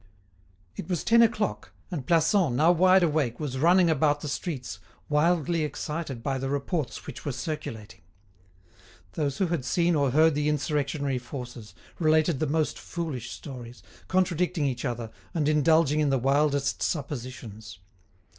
It was ten o'clock, and Plassans, now wide awake, was running about the streets, wildly excited by the reports which were circulating. Those who had seen or heard the insurrectionary forces, related the most foolish stories, contradicting each other, and indulging in the wildest suppositions.